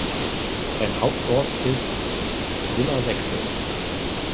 Sein Hauptort ist Villersexel.